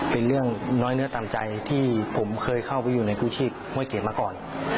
เป็นเรื่องน้อยเนื้อตามใจที่ผมเคยเข้าไปอยู่ในกู้ชีพห้วยเกรดมาก่อน